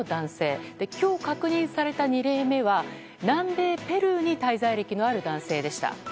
そして今日確認された２例目は南米ペルーに滞在歴のある男性でした。